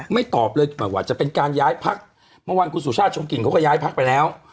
ตอบเลยไม่ว่าจะเป็นการย้ายพักเมื่อวานคุณสุชาติชมกลิ่นเขาก็ย้ายพักไปแล้ว